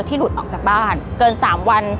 หลุดออกจากบ้านเกิน๓วัน